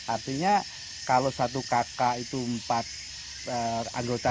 artinya kalau satu kakak itu empat anggota